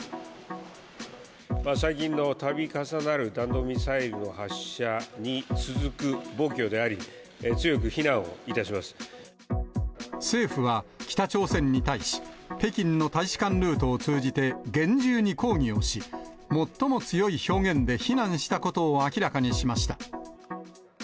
最近のたび重なる弾道ミサイルの発射に続く暴挙であり、政府は、北朝鮮に対し、北京の大使館ルートを通じて、厳重に抗議をし、最も強い表現で非難したことを明らかにしました。